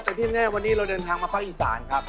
แต่ที่แน่วันนี้เราเดินทางมาภาคอีสานครับ